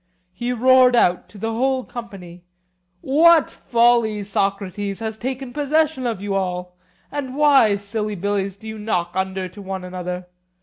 He roared out to the whole company: What folly, Socrates, has taken possession of you all? And why, sillybillies, do you knock under to one another?